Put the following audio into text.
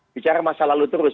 bicara masa lalu terus